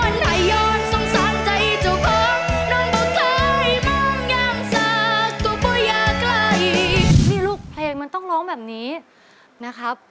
นี่ลูกเพลงมันต้องร้องแบบนี้นะครับ